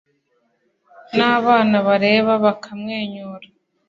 nabana bareba bakamwenyura